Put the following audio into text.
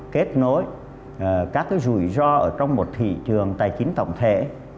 kết nối các rủi ro ở trong một thị trường tài chính tổng thể